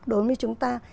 đối với chúng ta